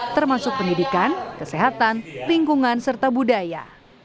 termasuk pendidikan kesehatan lingkungan serta budaya